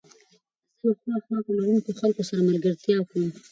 زه له ښو اخلاق لرونکو خلکو سره ملګرتيا کوم.